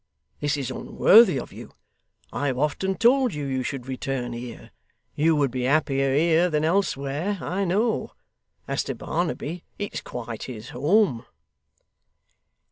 This is unworthy of you. I have often told you, you should return here. You would be happier here than elsewhere, I know. As to Barnaby, it's quite his home.